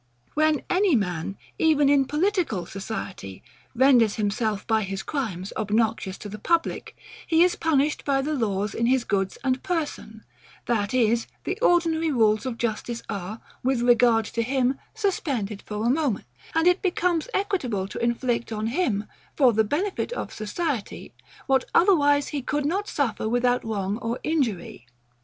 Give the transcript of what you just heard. When any man, even in political society, renders himself by his crimes, obnoxious to the public, he is punished by the laws in his goods and person; that is, the ordinary rules of justice are, with regard to him, suspended for a moment, and it becomes equitable to inflict on him, for the BENEFIT of society, what otherwise he could not suffer without wrong or injury.